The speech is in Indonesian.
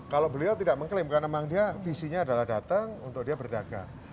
kalau beliau tidak mengklaim karena memang dia visinya adalah datang untuk dia berdagang